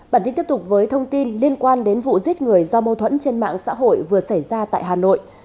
bản tin tiếp tục với thông tin liên quan đến vụ giết người do mâu thuẫn trên mạng xã hội vừa xảy ra tại hà nội